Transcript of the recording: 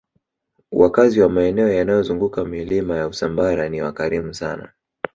wakazi wa maeneo yanayozunguka milima ya usambara ni wakarimu sana